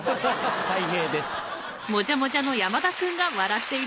たい平です。